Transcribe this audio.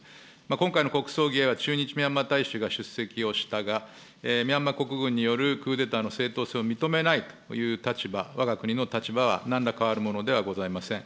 今回の国葬儀は駐日ミャンマー大使が出席をしたが、ミャンマー国軍によるクーデターの正当性を認めないという立場、わが国の立場はなんら変わるものではございません。